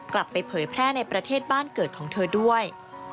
ไปเผยแพร่ในประเทศบ้านเกิดของเธอด้วย